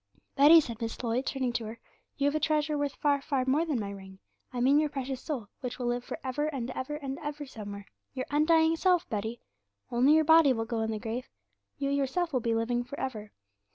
'"Betty," said Miss Lloyd, turning to her, "you have a treasure worth far, far more than my ring. I mean your precious soul, which will live for ever and ever and ever somewhere; your undying self, Betty. Only your body will go in the grave; you yourself will be living for ever.